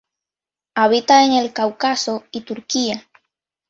Habita en el Cáucaso y Turquía.